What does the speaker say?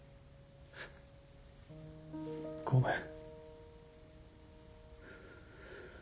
ごめん。